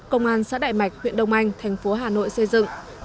công an xã đại mạch huyện đông anh thành phố hà nội xây dựng